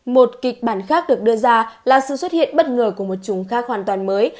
một kịch bản khác được đưa ra là sự xuất hiện bất ngờ của một chúng kha hoàn toàn mới